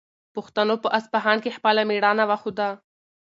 پښتنو په اصفهان کې خپله مېړانه وښوده.